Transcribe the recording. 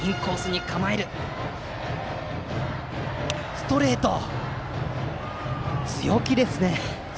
ストレート、強気ですね。